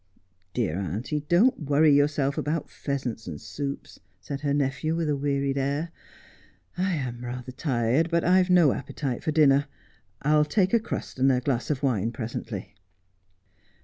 ' Dear auntie, don't worry yourself about pheasants and soups, said her nephew, with a wearied air. ' I am rather tired, but I've no appetite for dinner. I'll take a crust and a glass of wine presently.'